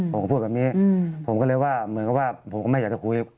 ผมก็พูดแบบนี้ผมก็เลยว่าเหมือนกับว่าผมก็ไม่อยากจะคุย